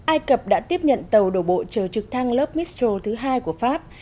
ai cập đã tiếp nhận tàu đổ bộ chở trực thăng lớp mistro thứ hai của pháp